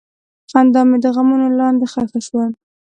خندا مې د غمونو لاندې ښخ شوه.